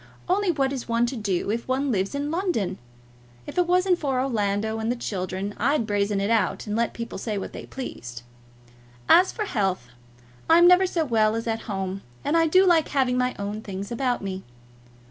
Only what is one to do if one lives in London? If it wasn't for Orlando and the children, I'd brazen it out, and let people say what they pleased. As for health, I'm never so well as at home, and I do like having my own things about me.